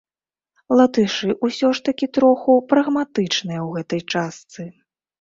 Латышы ўсё ж такі троху прагматычныя ў гэтай частцы.